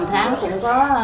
cũng không có mưu